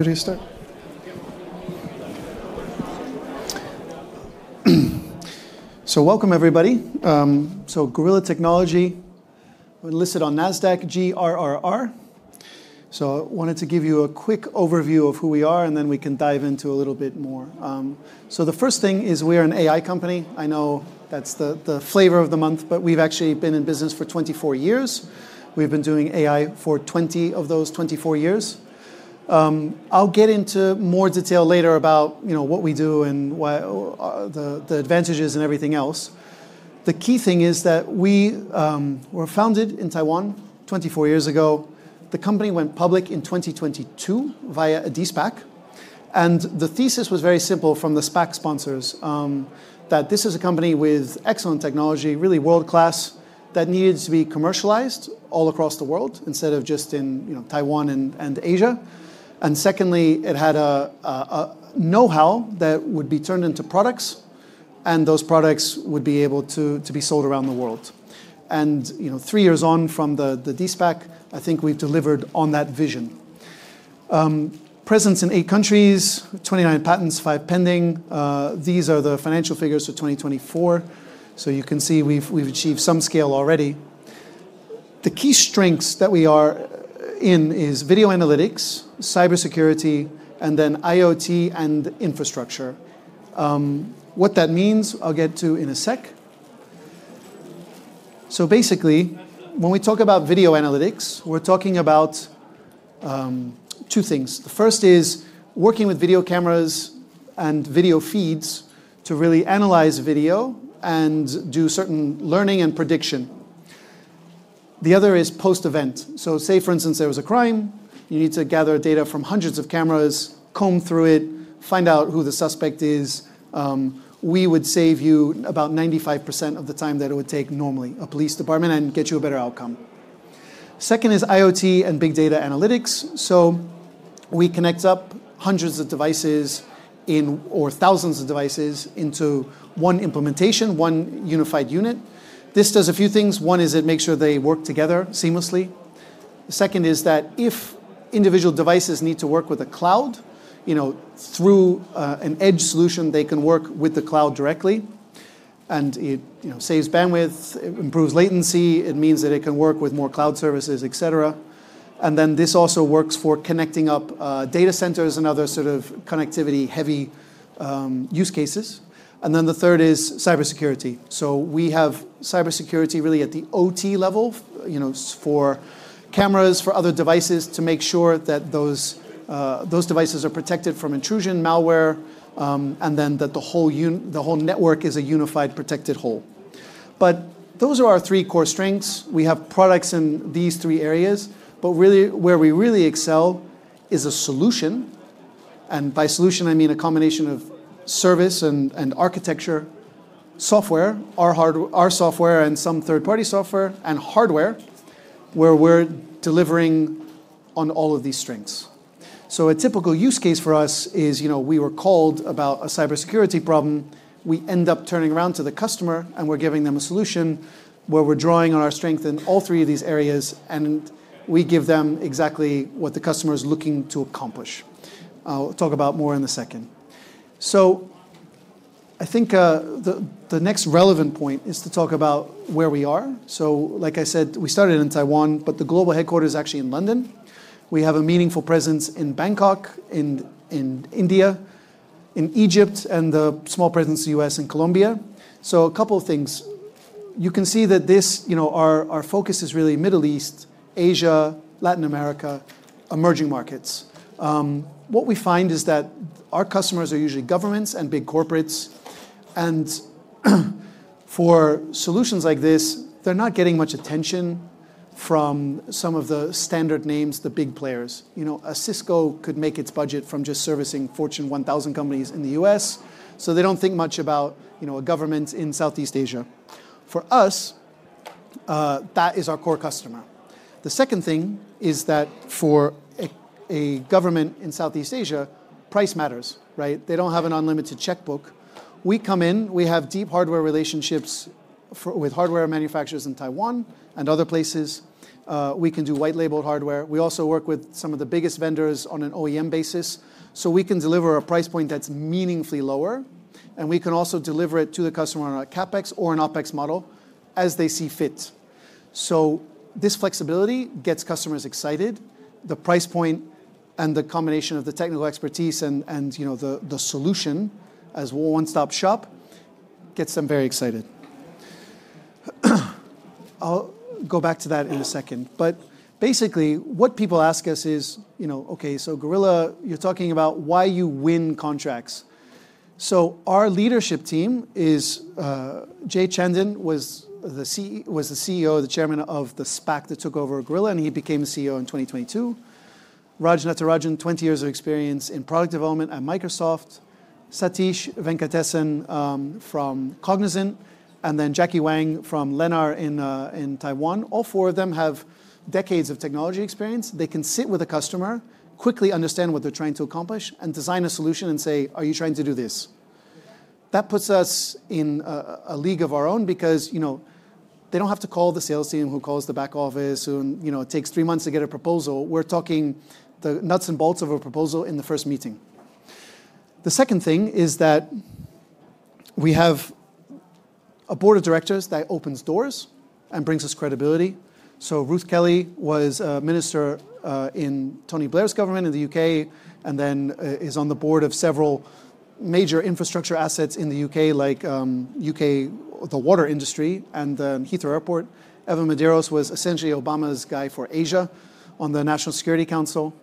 So welcome everybody. So Gorilla Technology Group Inc. listed on Nasdaq, GRRR. So wanted to give you a quick overview of who we are and then we can dive into a little bit more. The first thing is we are an AI company. I know that's the flavor of the month, but we've actually been in business for 24 years. We've been doing AI for 20 of those 24 years. I'll get into more detail later about what we do and the advantages and everything else. The key thing is that we were founded in Taiwan 24 years ago. The company went public in 2022 via a de-SPAC and the thesis was very simple from the SPAC sponsors that this is a company with excellent technology, really world class, that needed to be commercialized all across the world instead of just in Taiwan and Asia. Secondly, it had know-how that would be turned into products and those products would be able to be sold around the world. You know, three years on from the de-SPAC, I think we've delivered on that vision: presence in eight countries, 29 patents, five pending. These are the financial figures for 2024. You can see we've achieved some scale already. The key strengths that we are in is video analytics, cybersecurity, and then IoT and infrastructure. What that means I'll get to in a sec. Basically, when we talk about video analytics, we're talking about two things. The first is working with video cameras and video feeds to really analyze video and do certain learning and prediction. The other is post event. For instance, if there was a crime, you need to gather data from hundreds of cameras, comb through it, find out who the suspect is. We would save you about 95% of the time that it would take normally a police department and get you a better outcome. Second is IoT and big data analytics. We connect up hundreds of devices or thousands of devices into one implementation, one unified unit. This does a few things. One is it makes sure they work together seamlessly. Second is that if individual devices need to work with a cloud through an edge solution, they can work with the cloud directly. It saves bandwidth, improves latency. It means that it can work with more cloud services, etc. This also works for connecting up data centers and other sort of connectivity heavy use cases. The third is cybersecurity. We have cybersecurity really at the OT level, for cameras, for other devices to make sure that those devices are protected from intrusion, malware. The whole unit, the whole network is a unified, protected whole. Those are our three core strengths. We have products in these three areas, but really where we really excel is a solution. By solution I mean a combination of service and architecture software, our software and some third party software and hardware where we're delivering on all of these strengths. A typical use case for us is, we were called about a cybersecurity problem. We end up turning around to the customer and we're giving them a solution where we're drawing on our strength in all three of these areas and we give them exactly what the customer is looking to accomplish. I'll talk about more in a second. I think the next relevant point is to talk about where we are. Like I said, we started in Taiwan, but the global headquarters is actually in London. We have a meaningful presence in Bangkok, in India, in Egypt, and a small presence in the U.S. and Colombia. You can see that our focus is really Middle East, Asia, Latin America, emerging markets. What we find is that our customers are usually governments and big corporates. For solutions like this, they're not getting much attention from some of the standard names, the big players. A Cisco could make its budget from just servicing Fortune 1000 companies, companies in the U.S., so they don't think much about a government in Southeast Asia. For us, that is our core customer. The second thing is that for a government in Southeast Asia, price matters, right? They don't have an unlimited checkbook. We come in. We have deep hardware relationships with hardware manufacturers in Taiwan and other places. We can do white labeled hardware. We also work with some of the biggest vendors on an OEM basis. We can deliver a price point that's meaningfully lower. We can also deliver it to the customer on a CapEx or an OpEx model as they see fit. This flexibility gets customers excited. The price point and the combination of the technical expertise and the solution as one stop shop gets them very excited. I'll go back to that in a second. Basically what people ask us is, okay, so Gorilla, you're talking about why you win contracts. Our leadership team is Jay Chandan, who was the CEO, the chairman of the SPAC that took over Gorilla and he became the CEO in 2022. Raj Natarajan, 20 years of experience in product development at Microsoft. Satish Venkatesan from Cognizant and then Jackie Wang from Lennar in Taiwan. All four of them have decades of technology experience. They can sit with a customer quickly, understand what they're trying to accomplish and design a solution and say, are you trying to do this? That puts us in a league of our own because they don't have to call the sales team, who calls the back office, who takes three months to get a proposal. We're talking the nuts and bolts of a proposal in the first meeting. The second thing is that we have a Board of directors that opens doors and brings us credibility. Ruth Kelly was minister in Tony Blair's government in the U.K. and then is on the Board of several major infrastructure assets in the U.K. like the water industry and Heathrow Airport. Evan Medeiros was essentially Obama's guy for Asia on the National Security Council.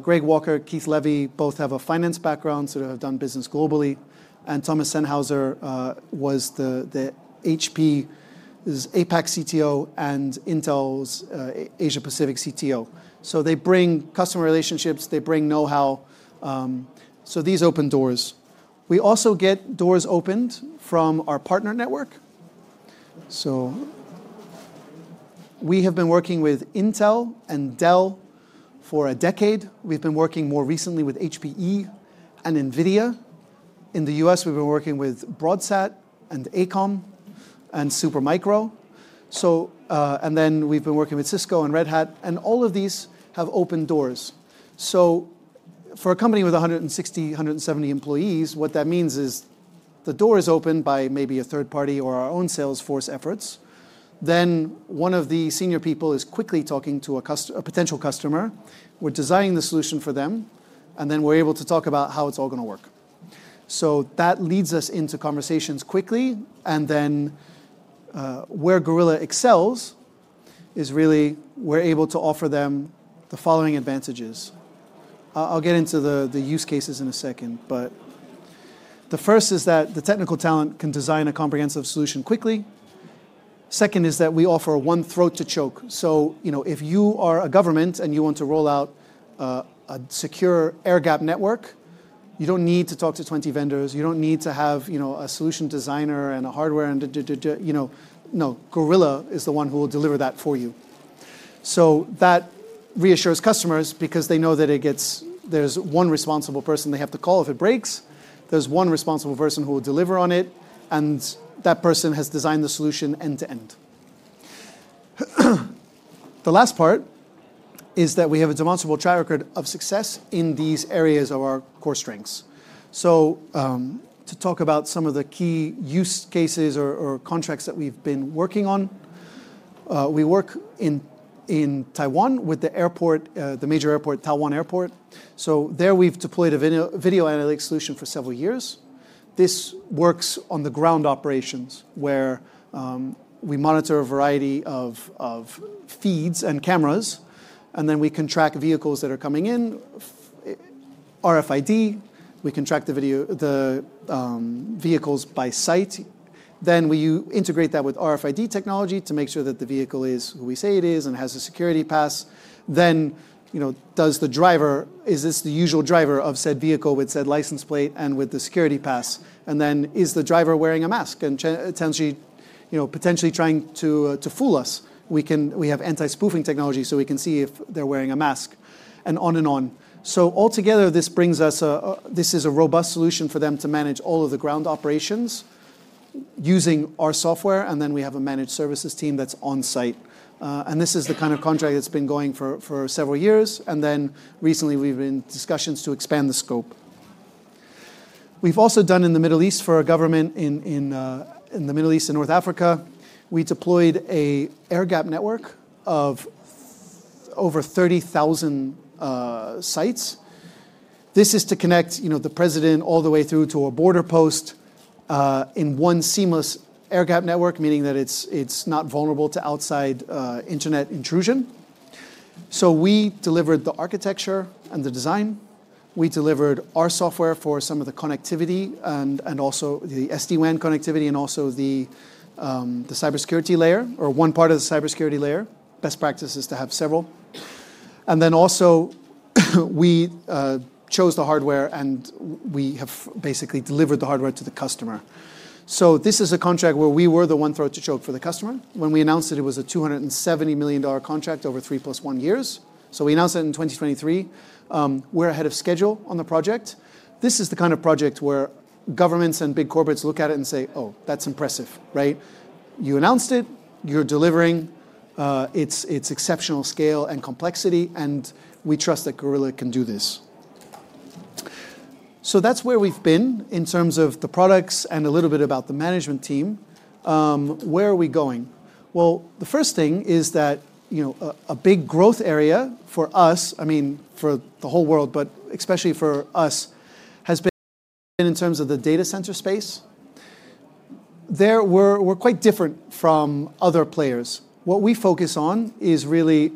Greg Walker, Keith Levy, both have a finance background, sort of have done business globally. Thomas Sennhauser was the HP Apex CTO and Intel's Asia Pacific CTO. They bring customer relationships, they bring know-how. These open doors, we also get doors opened from our partner network. We have been working with Intel and Dell for a decade. We've been working more recently with HPE and Nvidia in the United States, we've been working with Broadsat and AECOM and Supermicro, and then we've been working with Cisco and Red Hat. All of these have opened doors. For a company with 160, 170 employees, what that means is the door is opened by maybe a third party or our own Salesforce efforts. Then one of the senior people is quickly talking to a potential customer, we're designing the solution for them and then we're able to talk about how it's all going to work. That leads us into conversations quickly. Where Gorilla excels is really, we're able to offer them the following advantages. I'll get into the use cases in a second, but the first is that the technical talent can design a comprehensive solution quickly. Second is that we offer one throat to choke. If you are a government and you want to roll out a secure air-gapped network, you don't need to talk to 20 vendors, you don't need to have a solution designer and hardware. Gorilla is the one who will deliver that for you. That reassures customers because they know that there's one responsible person they have to call if it breaks, there's one responsible person who will deliver on it, and that person has designed the solution end to end. The last part is that we have a demonstrable track record of success in these areas of our core strengths. To talk about some of the key use cases or contracts that we've been working on, we work in Taiwan with the major airport, Taiwan airport. There we've deployed a video analytics solution for several years. This works on the ground operations where we monitor a variety of feeds and cameras. We can track vehicles that are coming in. We can track the vehicles by sight, then we integrate that with RFID technology to make sure that the vehicle is who we say it is and has a security pass. Does the driver, is this the usual driver of said vehicle with said license plate and with the security pass? Is the driver wearing a mask and potentially trying to fool us? We have anti-spoofing technology so we can see if they're wearing a mask and on and on. Altogether this brings us a robust solution for them to manage all of the ground operations using our software. We have a managed services team that's on site. This is the kind of contract that's been going for several years. Recently we've been in discussions to expand the scope. We've also done in the Middle East for a government in the Middle East and North Africa, we deployed an air-gapped network of over 30,000 sites. This is to connect the President all the way through to a border post in one seamless air-gapped network, meaning that it's not vulnerable to outside Internet intrusion. We delivered the architecture and the design, we delivered our software for some of the connectivity and also the SD-WAN connectivity and also the cybersecurity layer or one part of the cybersecurity layer. Best practices to have several. We chose the hardware and we have basically delivered the hardware to the customer. This is a contract where we were the one throat to choke for the customer when we announced that it was a $270 million contract over three plus one years. We announced it in 2023. We're ahead of schedule on the project. This is the kind of project where governments and big corporates look at it and say, oh, that's impressive, right? You announced it, you're delivering. It's exceptional scale and complexity and we trust that Gorilla can do this. That's where we've been in terms of the products and a little bit about the management team. Where are we going? The first thing is that a big growth area for us, I mean for the whole world, but especially for us, has been in terms of the data center space. We're quite different from other players. What we focus on is really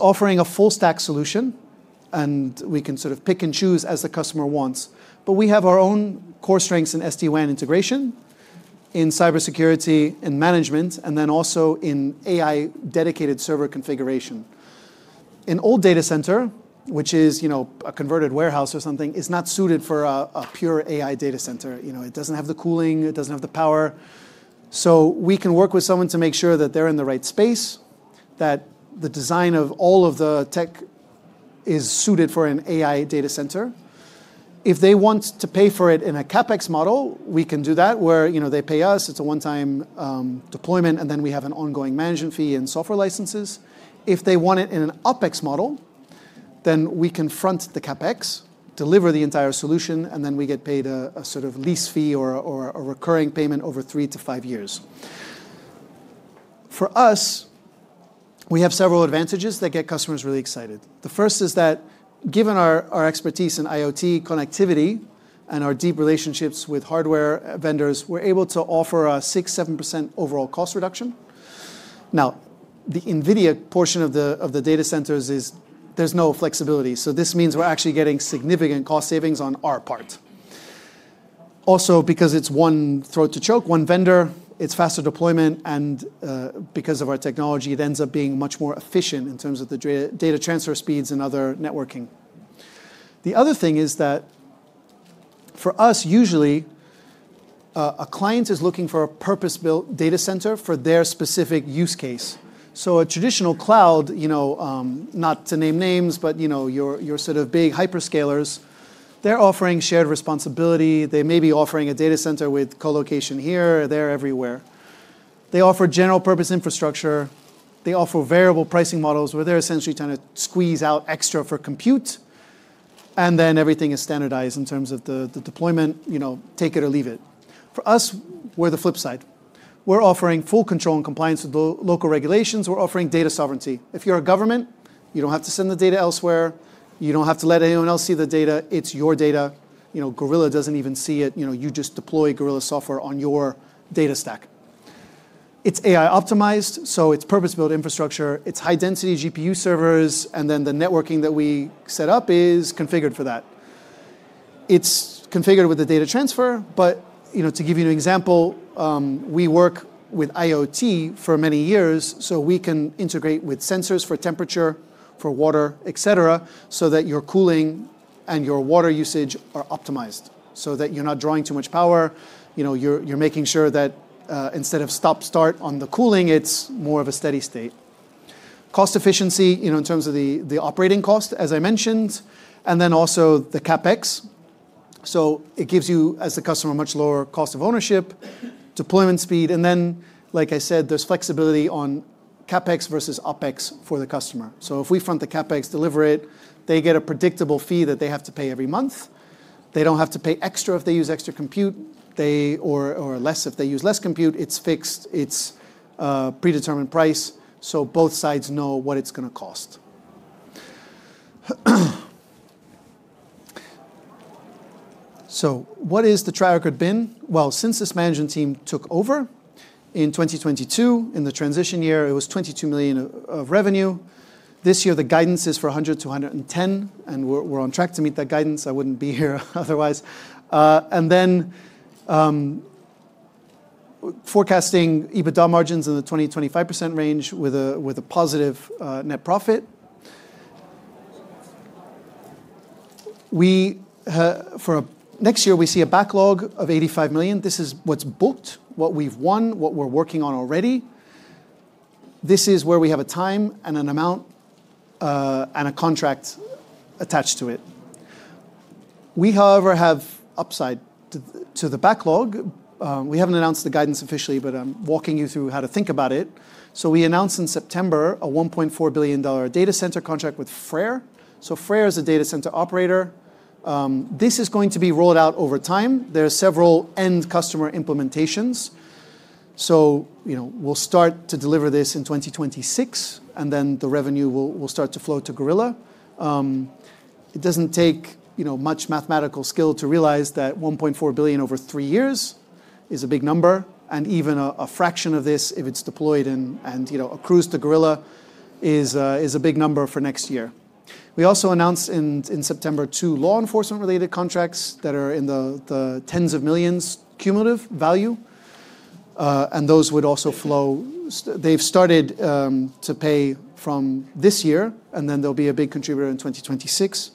offering a full stack solution and we can sort of pick and choose as the customer wants. We have our own core strengths in SD-WAN integration, in cybersecurity and management, and then also in AI dedicated server configuration. An old data center, which is, you know, a converted warehouse or something, is not suited for a pure AI data center. It doesn't have the cooling, it doesn't have the power. We can work with someone to make sure that they're in the right space, that the design of all of the tech is suited for an AI data center. If they want to pay for it in a CapEx model, we can do that where they pay us, it's a one time deployment and then we have an ongoing management fee and software licenses. If they want it in an OpEx model, then we confront the CapEx, deliver the entire solution and then we get paid a sort of lease fee or a recurring payment over three to five years. For us, we have several advantages that get customers really excited. The first is that given our expertise in IoT connectivity and our deep relationships with hardware vendors, we're able to offer a 6%-7% overall cost reduction. The Nvidia portion of the data centers is, there's no flexibility. This means we're actually getting significant cost savings on our part. Also because it's one throat to choke, one vendor, it's faster deployment and because of our technology it ends up being much more efficient in terms of the data transfer speeds and other networking. The other thing is that for us, usually a client is looking for a purpose built data center for their specific use case. A traditional cloud, you know, not to name names, but you know, your sort of big hyperscalers, they're offering shared responsibility. They may be offering a data center with colocation here or there, everywhere. They offer general purpose infrastructure, they offer variable pricing models where they're essentially trying to squeeze out extra for compute and then everything is standardized in terms of the deployment. You know, take it or leave it. For us, we're the flip side. We're offering full control and compliance with local regulations. We're offering data sovereignty. If you're a government, you don't have to send the data elsewhere. You don't have to let anyone else see the data. It's your data, you know, Gorilla doesn't even see it. You know, you just deploy Gorilla software on your data stack. It's AI optimized, so it's purpose built infrastructure. It's high density GPU servers and then the networking that we set up is configured for that. It's configured with the data transfer. To give you an example, we work with IoT for many years so we can integrate with sensors for temperature, for water, etc. so that your cooling and your water usage are optimized so that you're not drawing too much power. You're making sure that instead of stop start on the cooling, it's more of a steady state cost efficiency in terms of the operating cost as I mentioned and then also the CapEx. It gives you as the customer a much lower cost of ownership, deployment speed and then like I said, there's flexibility on CapEx versus OpEx for the customer. If we front the CapEx, deliver it, they get a predictable fee that they have to pay every month. They don't have to pay extra if they use extra compute or less if they use less compute. It's fixed, it's predetermined price. Both sides know what it's going to cost. What is the track record? Since this management team took over in 2022, in the transition year it was $22 million of revenue. This year the guidance is for $100 million-$110 million and we're on track to meet that guidance. I wouldn't be here otherwise. Forecasting EBITDA margins in the 2025 5% range with a positive net profit, for next year we see a backlog of $85 million. This is what's booked, what we've won, what we're working on already. This is where we have a time and an amount and a contract attached to it. We however have upside to the backlog. We haven't announced the guidance officially, but I'm walking you through how to think about it. We announced in September a $1.4 billion data center contract with Frere. Frere is a data center operator. This is going to be rolled out over time. There are several end customer implementations. We'll start to deliver this in 2026, and then the revenue will start to flow to Gorilla. It doesn't take much mathematical skill to realize that $1.4 billion over three years is a big number, and even a fraction of this, if it's deployed and accrues to Gorilla, is a big number for next year. We also announced in September two law enforcement related contracts that are in the tens of millions cumulative value, and those would also flow. They've started to pay from this year, and they'll be a big contributor in 2026.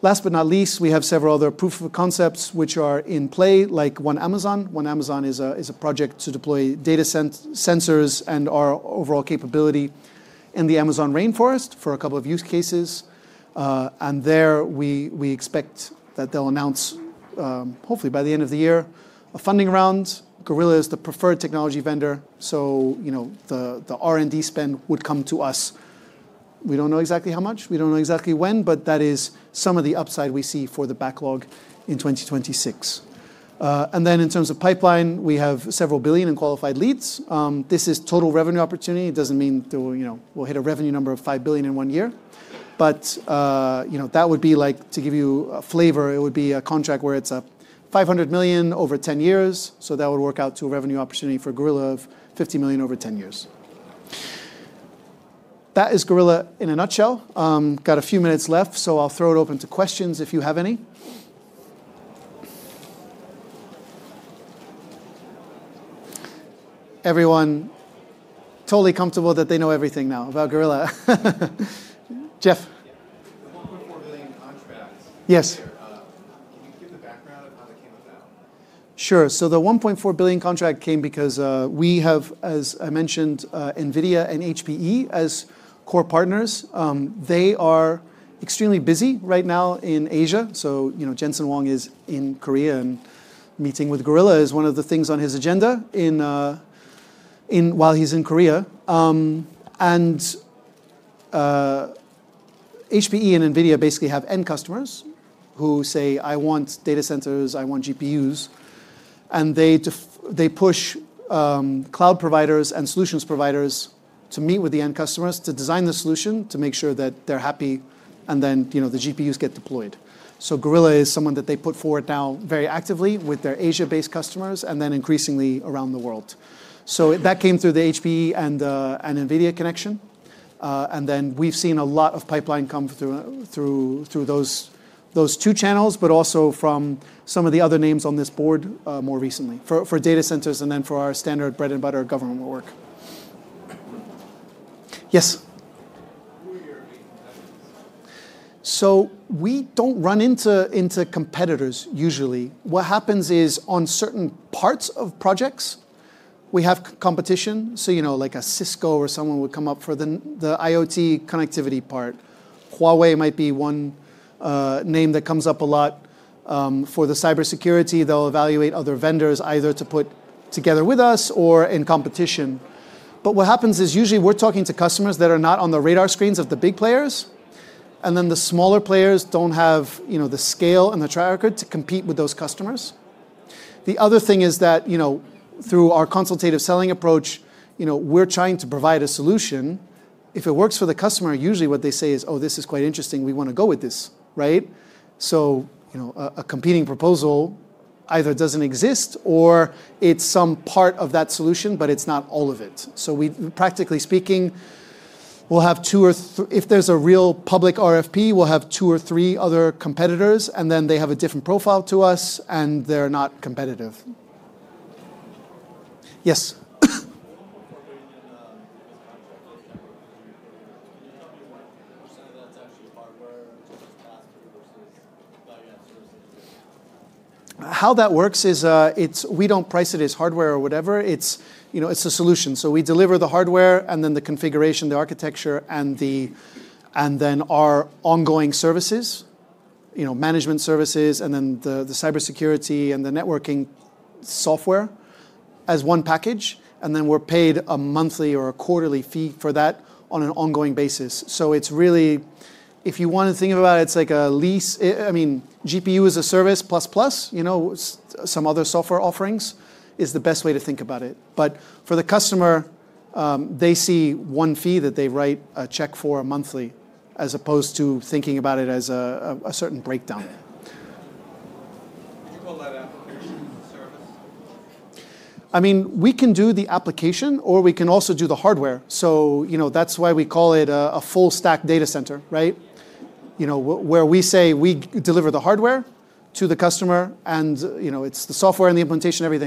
Last but not least, we have several other proof of concepts which are in play, like One Amazon. One Amazon is a project to deploy data, sensors, and our overall capability in the Amazon rainforest for a couple of use cases. There we expect that they'll announce, hopefully by the end of the year, a funding round. Gorilla is the preferred technology vendor, so the R&D spend would come to us. We don't know exactly how much, we don't know exactly when, but that is some of the upside we see for the backlog in 2026. In terms of pipeline, we have several billion in qualified leads. This is total revenue opportunity. It doesn't mean we'll hit a revenue number of $5 billion in one year, but to give you a flavor, it would be a contract where it's $500 million over 10 years. That would work out to a revenue opportunity for Gorilla of $50 million over 10 years. That is Gorilla in a nutshell. Got a few minutes left, so I'll throw it open to questions if you have any. Everyone totally comfortable that they know everything now about Gorilla, Jeff? Yes, sure. The $1.4 billion contract came because we have, as I mentioned, Nvidia and HPE as core partners. They are extremely busy right now in Asia. Jensen Huang is in Korea, and meeting with Gorilla is one of the things on his agenda while he's in Korea. HPE and Nvidia basically have end customers who say, I want data centers, I want GPUs, and they push cloud providers and solutions providers to meet with the end customers to design the solution, to make sure that they're happy, and then the GPUs get deployed. Gorilla is someone that they put forward now very actively with their Asia based customers and then increasingly around the world. That came through the HPE and Nvidia connection, and then we've seen a lot of pipeline come through those two channels, but also from some of the other names on this board, more recently for data centers and then for our standard bread and butter government work. We don't run into competitors. Usually what happens is on certain parts of projects we have competition. You know, like a Cisco or someone would come up for the IoT connectivity part. Huawei might be one name that comes up a lot for the AI cybersecurity. They'll evaluate other vendors either to put together with us or in competition. What happens is usually we're talking to customers that are not on the radar screens of the big players, and then the smaller players don't have the scale and the track record to compete with those customers. The other thing is that through our consultative selling approach, we're trying to provide a solution if it works for the customer. Usually what they say is, oh, this is quite interesting, we want to go with this. A competing proposal either doesn't exist or it's some part of that solution, but it's not all of it. Practically speaking, we'll have two or three. If there's a real public RFP, we'll have two or three other competitors and then they have a different profile to us and they're not competitive. How that works is we don't price it as hardware or whatever. It's a solution. We deliver the hardware and then the configuration, the architecture, and then our ongoing services, management services, and then the AI cybersecurity and the networking software as one package. We're paid a monthly or a quarterly fee for that on an ongoing basis. If you want to think about it, it's like a lease. GPU as a service plus, plus some other software offerings is the best way to think about it. For the customer, they see one fee that they write a check for monthly as opposed to thinking about it as a certain breakdown. Would you call that application service? We can do the application or we can also do the hardware. That's why we call it a full stack data center, where we say we deliver the hardware to the customer and it's the software and the implementation, everything.